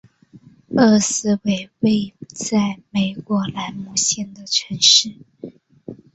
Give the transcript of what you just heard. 厄斯为位在美国兰姆县的城市。